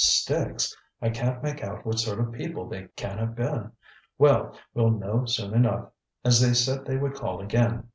ŌĆ£Sticks! I canŌĆÖt make out what sort of people they can have been. Well, weŌĆÖll know soon enough, as they said they would call again.